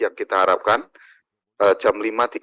yang kita harapkan jam lima tiga puluh